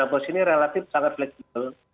dana pos ini relatif sangat fleksibel